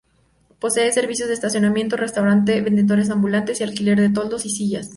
Posee servicios de estacionamiento, restaurante, vendedores ambulantes y alquiler de toldos y sillas.